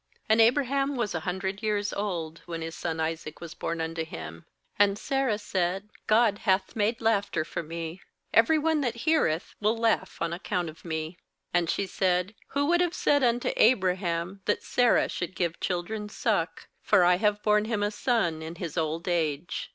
5And Abraham was a hundred years old, when his son Isaac was born unto him. 6And Sarah said: 'God hath made laughter for me; every one that heareth will laugh on account of me.' 7And she said: 'Who would have said unto Abraham, that Sarah should give children suck? for I have borne him a son in his old age.'